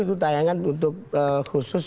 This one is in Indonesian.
itu tayangan untuk khusus